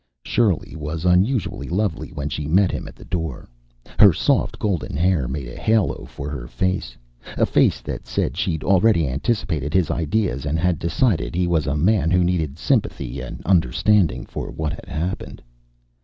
Shirley was unusually lovely when she met him at the door. Her soft golden hair made a halo for her face a face that said she'd already anticipated his ideas, and had decided he was a man who needed sympathy and understanding for what had happened.